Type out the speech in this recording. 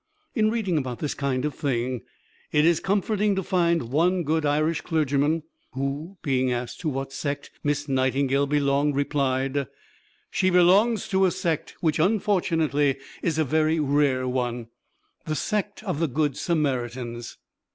In reading about this kind of thing, it is comforting to find one good Irish clergyman who, being asked to what sect Miss Nightingale belonged, replied: "She belongs to a sect which unfortunately is a very rare one the sect of the Good Samaritans."